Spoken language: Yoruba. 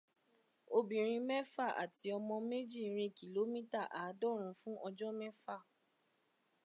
Obìnrin mẹ́fà àti ọmọ mejì rin kílómítà àádọ́rún fún ọjọ́ mẹ́fà